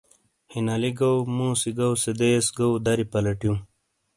ہینالی گو موسی گوسے دیس گو دری پلٹیو۔